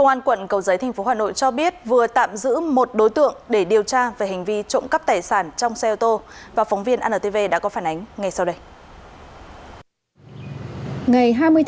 công an quận cầu giấy tp hà nội cho biết vừa tạm giữ một đối tượng để điều tra về hành vi trộm cắp tài sản trong xe ô tô và phóng viên antv đã có phản ánh ngay sau đây